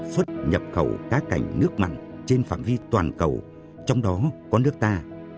xuất nhập khẩu cá cảnh nước mặn trên phạm vi toàn cầu trong đó có nước ta